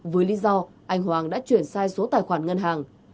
với lý do anh hoàng đã chuyển sai số tài khoản ngân hàng